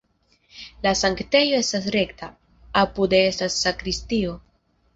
La sanktejo estas rekta, apude estas sakristio.